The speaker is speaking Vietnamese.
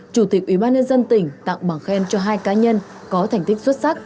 chủ tịch ủy ban nhân dân tỉnh tặng bằng khen cho hai cá nhân có thành tích xuất sắc